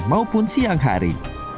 maupun siang hari